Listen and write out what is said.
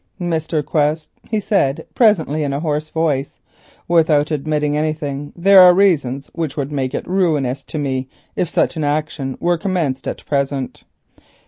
"Mr. Quest," he said presently in a hoarse voice, "without admitting anything, there are reasons which would make it ruinous to me if such an action were commenced at present."